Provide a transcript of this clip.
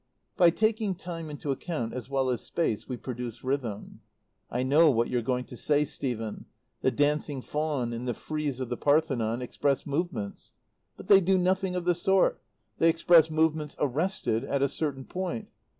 "By taking time into account as well as space we produce rhythm. "I know what you're going to say, Stephen. The Dancing Faun and the Frieze of the Parthenon express movements. But they do nothing of the sort. They express movements arrested at a certain point.